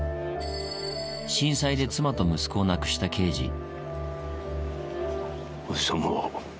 震災で妻と息子を亡くした刑事。